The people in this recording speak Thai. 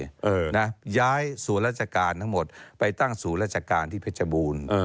ย้ายส่วนราชการทั้งหมดไปตั้งส่วนราชการที่เพชรบูรณ์